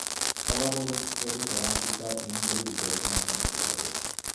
მთავარ როლებს კერი გრანტი და ინგრიდ ბერგმანი ასრულებენ.